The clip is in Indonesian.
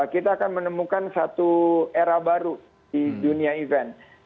kita akan menemukan satu era baru di dunia event